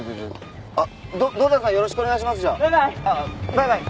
バイバイ！